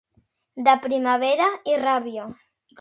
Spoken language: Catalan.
De primavera i ràbia.